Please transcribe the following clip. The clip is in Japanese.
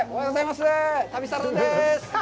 旅サラダです。